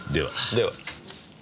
では。